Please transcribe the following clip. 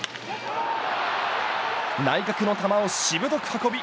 内角の球をしぶとく運び